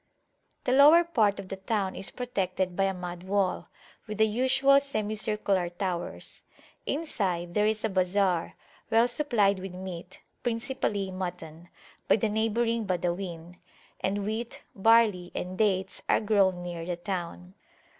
The lower part of the town is protected by a mud wall, with the usual semicircular towers. Inside there is a bazar, well supplied with meat (principally mutton) by the neighbouring Badawin; and wheat, barley, and dates are grown near the town.